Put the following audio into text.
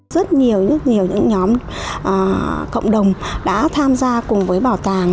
rất nhiều những nhóm cộng đồng đã tham gia cùng với bảo tàng